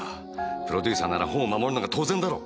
プロデューサーならホンを守るのが当然だろ！